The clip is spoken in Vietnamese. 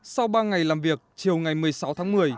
sau ba ngày làm việc chiều ngày một mươi sáu tháng một mươi